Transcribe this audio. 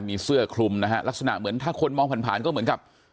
มีเสื้อคลุมนะฮะลักษณะเหมือนถ้าคนมองผ่านผ่านก็เหมือนกับ